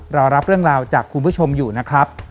เรารับเรื่องราวจากคุณผู้ชมอยู่นะครับ